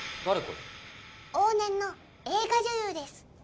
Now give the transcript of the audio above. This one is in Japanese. これ往年の映画女優です